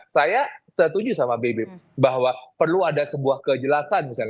saya setuju sama bibip bahwa perlu ada sebuah kejelasan misalnya